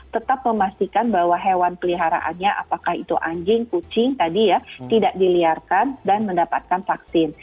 tetap memastikan bahwa hewan peliharaannya apakah itu anjing kucing tadi ya tidak diliarkan dan mendapatkan vaksin